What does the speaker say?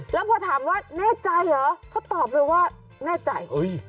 แล้วพอถามว่าแน่ใจเหรอเขาตอบเลยว่าแน่ใจ